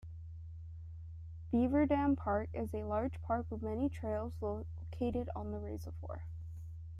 Beaverdam Park is a large park with many trails, located on a reservoir.